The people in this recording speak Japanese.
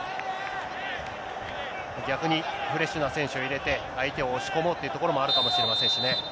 逆にフレッシュな選手を入れて、相手を押し込もうってところもあるかもしれませんしね。